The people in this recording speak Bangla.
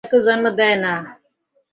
ছবি কাউকে জন্ম দেবে না।